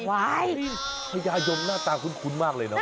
พระยายมหน้าตาคุ้นมากเลยนะครับ